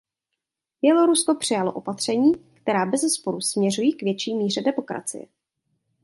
Bělorusko přijalo opatření, která bezesporu směřují k větší míře demokracie.